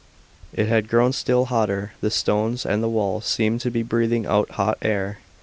It had grown still hotter. The stones and the walls seemed to be breathing out hot air.